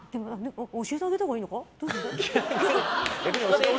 教えてあげたほうがいいのか？